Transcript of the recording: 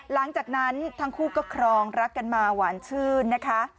หลังจากนั้นทั้งคู่ก็ครองรักกันมาหวานชื่นนะคะ